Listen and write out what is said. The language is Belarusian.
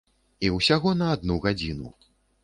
І усяго на адну гадзіну.